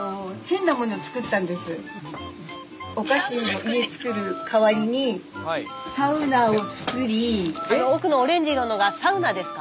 お菓子の家造る代わりにあの奥のオレンジ色のがサウナですか。